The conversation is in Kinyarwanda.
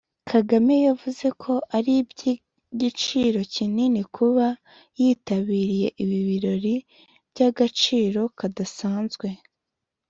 Kagame yavuze ko ari iby’igiciro kinini kuba yitabiriye ibi birori by’agaciro kadasanzwe